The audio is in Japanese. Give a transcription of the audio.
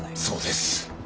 そうです。